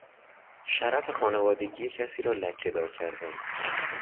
شرف خانوادگی کسی را لکهدار کردن